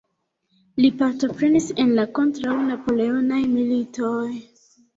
Li partoprenis en la kontraŭ-Napoleonaj militoj.